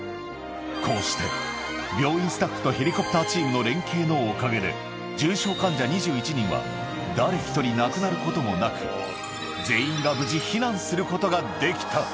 こうして、病院スタッフとヘリコプターチームの連係のおかげで、重症患者２１人は、誰一人亡くなることもなく、全員が無事避難することができた。